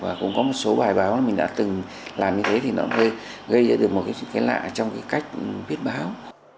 và cũng có một số bài báo mình đã từng làm như thế thì nó mới gây ra được một cái lạ trong cái cách viết báo